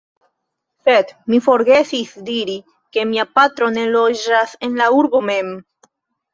Sed mi forgesis diri, ke mia patro ne loĝas en la urbo mem.